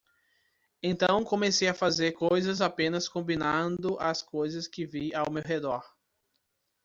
Então comecei a fazer coisas apenas combinando as coisas que vi ao meu redor.